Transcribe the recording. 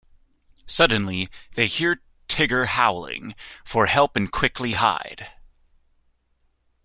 Suddenly, they hear Tigger howling, for help and quickly hide.